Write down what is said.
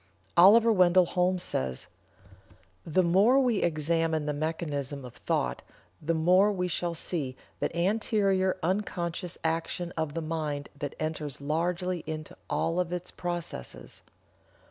Oliver Wendell Holmes says: "The more we examine the mechanism of thought the more we shall see that anterior unconscious action of the mind that enters largely into all of its processes.